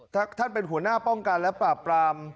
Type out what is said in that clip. ถ้าท่านเป็นหัวหน้าป้องกันและปราบปราม